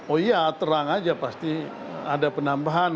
oh iya terang aja pasti ada penambahan